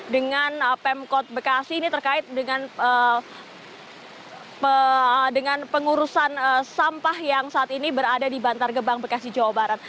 dengan pemkot bekasi ini terkait dengan pengurusan sampah yang saat ini berada di bantar gebang bekasi jawa barat